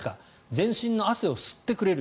全身の汗を吸ってくれる。